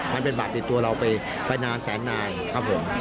มันเป็นบัตรติดตัวเราไปนานแสนนานครับผม